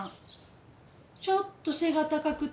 ちょっと背が高くて奇麗な子。